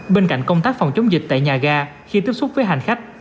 bên cạnh công tác phòng chống dịch tại nhà ga khi tiếp xúc với hành khách